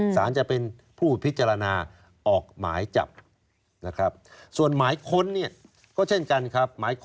สารจะเป็นผู้ผิดพิจารณาออกหมายจับ